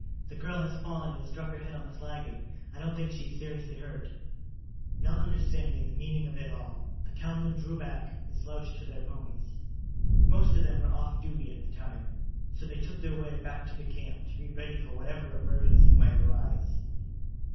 The girl has fallen and struck her head on the flagging. I don't think she is seriously hurt." Not understanding the meaning of it all, the cowmen drew back and slouched to their ponies. Most of them were off duty at the time, so they took their way back to camp to be ready for whatever emergency might arise.